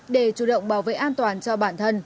để chủ động bảo vệ an toàn cho bản thân